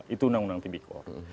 itu undang undang tpkor